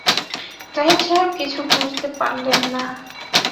জাহিদ সাহেব কিছু বুঝতে পারলেন না।